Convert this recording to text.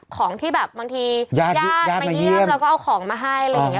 ของที่แบบบางทีญาติมาเยี่ยมแล้วก็เอาของมาให้อะไรอย่างนี้